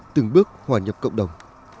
từng bước hòa nhập cộng đồng